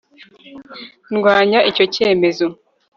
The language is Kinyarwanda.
ndwanya icyo cyemezo